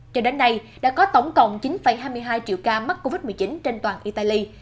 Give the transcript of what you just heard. cho đến nay đã có tổng cộng chín hai mươi hai triệu ca mắc covid một mươi chín trên toàn italy